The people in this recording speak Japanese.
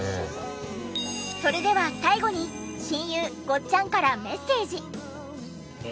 それでは最後に親友ごっちゃんからメッセージ。